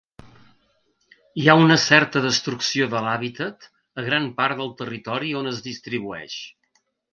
Hi ha una certa destrucció de l'hàbitat a gran part del territori on es distribueix.